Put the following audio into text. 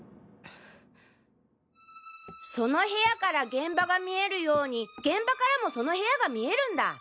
その部屋から現場が見えるように現場からもその部屋が見えるんだ。